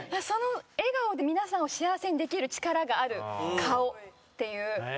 その笑顔で皆さんを幸せにできる力がある顔っていう。